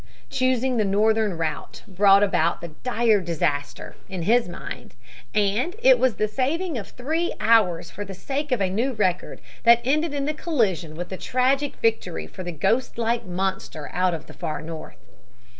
Choosing the northern route brought about the dire disaster, in his mind, and it was the saving of three hours for the sake of a new record that ended in the collision with the tragic victory for the ghostlike monster out of the far north.